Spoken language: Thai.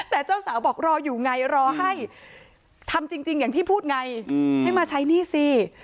แต่เจ้าสาวบอกรออยู่ไงรอให้ทำจริงอย่างที่พูดไงให้มาใช้หนี้สิ